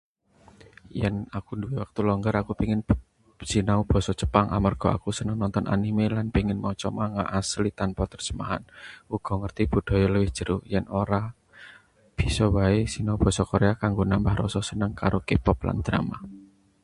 Yen aku nduwe wektu longgar, aku pengin sinau basa Jepang. Amarga aku seneng nonton anime lan pengin maca manga asli tanpa terjemahan, uga ngerti budaya luwih jero. Yen ora, bisa wae sinau basa Korea kanggo nambah rasa seneng karo K-pop lan drama.